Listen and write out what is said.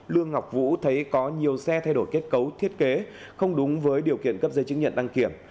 lương ngọc vũ thấy có nhiều xe thay đổi kết cấu thiết kế không đúng với điều kiện cấp giấy chứng nhận đăng kiểm